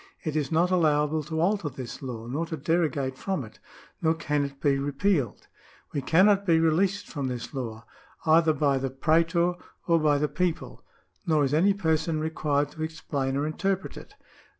... It is not allowable to alter this law, nor to derogate from it. nor can it be repealed. We cannot be released from this law, either by the praetor or by the people, nor is any person required to explain or interpret it.